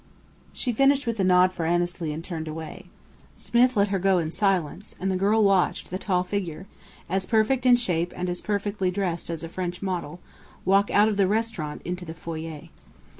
She finished with a nod for Annesley, and turned away. Smith let her go in silence; and the girl watched the tall figure as perfect in shape and as perfectly dressed as a French model walk out of the restaurant into the foyer.